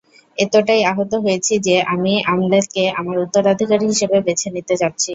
এতটাই আহত হয়েছি যে, আমি অ্যামলেথকে আমার উত্তরাধিকারী হিসেবে বেছে নিতে চাচ্ছি।